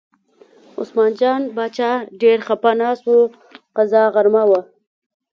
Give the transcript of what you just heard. عثمان جان باچا ډېر خپه ناست و، قضا غرمه وه.